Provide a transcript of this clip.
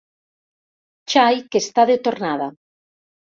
Xai que està de tornada.